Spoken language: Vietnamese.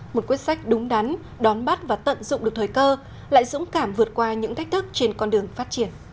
một quyết sách đúng đắn đón bắt và tận dụng được thời cơ lại dũng cảm vượt qua những thách thức trên con đường phát triển